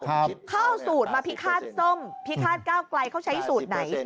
เข้าสูตรมาพิฆาตส้มพิฆาตเก้าไกลเขาใช้สูตรไหน